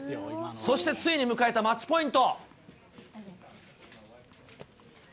そしてついに迎えたマッチポイント。